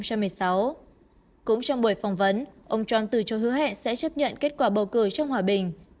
cũng trong buổi phỏng vấn ông trump từ cho hứa hẹn sẽ chấp nhận kết quả bầu cử trong hòa bình